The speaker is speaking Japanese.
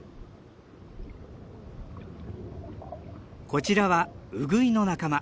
こちらはウグイの仲間。